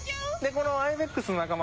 このアイベックスの仲間